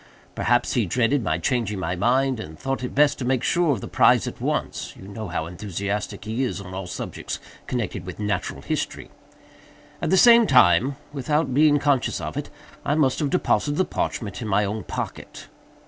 Perhaps he dreaded my changing my mind, and thought it best to make sure of the prize at once—you know how enthusiastic he is on all subjects connected with Natural History. At the same time, without being conscious of it, I must have deposited the parchment in my own pocket.